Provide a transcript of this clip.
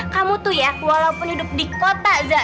kamu tuh ya walaupun hidup di kota zah